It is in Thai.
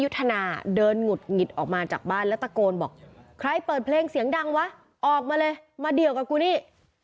นาเดินหงุดหงิดออกมาจากบ้านแล้วตะโกนบอกใครเปิดเพลงเสียงดังวะออกมาเลยมาเดี่ยวกับกูนี่